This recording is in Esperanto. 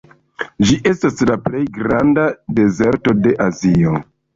Ĝi estas la plej granda dezerto de Azio.